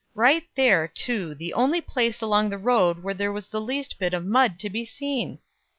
Right there, too, the only place along the road where there was the least bit of mud to be seen!